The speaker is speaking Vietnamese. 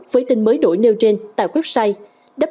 với tên mới đổi nêu trên tại website